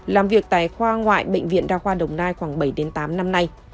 làm việc tại khoa ngoại bệnh viện đa khoa đồng nai khoảng bảy tám năm nay